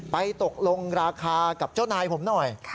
ไปตกลงราคากับเจ้านายผมหน่อย